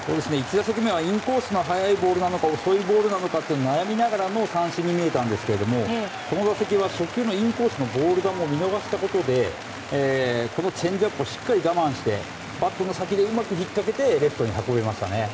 １打席目はインコースの速いボールなのか遅いボールなのか悩みながらも三振に見えたんですがこの打席は初球のインコースのボール球を見逃したことでバットの先でうまくひっかけてレフトに運べましたね。